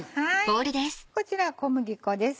こちら小麦粉です